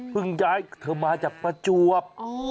เพิ่งย้ายเขามาจากประจวบ